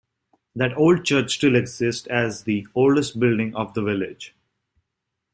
That old church still exists as the oldest building of the village.